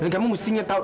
dan kamu mesti tahu